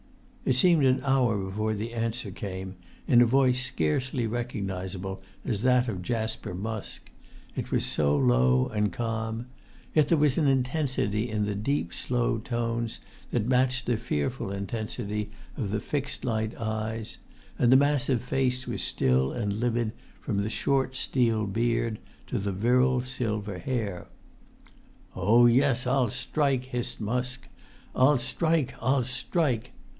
It seemed an hour before the answer came, in a voice scarcely recognizable as that of Jasper Musk, it was so low and calm; yet there was an intensity in the deep, slow tones that matched the fearful intensity of the fixed light eyes; and the massive face was still and livid from the short steel beard to the virile silver hair. "Oh, yes, I'll strike!" hissed Musk. "I'll strike! I'll strike!"